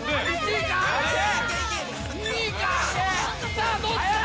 さあどっちだ？